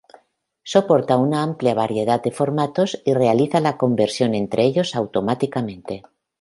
Soporta una amplia variedad de formatos y realiza la conversión entre ellos automáticamente.